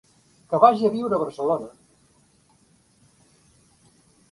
Que vagi a viure a Barcelona.